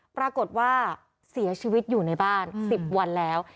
ปรากฏว่าเสียชีวิตอยู่ในบ้าน๑๐วันแล้ว